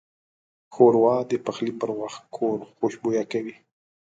ښوروا د پخلي پر وخت کور خوشبویه کوي.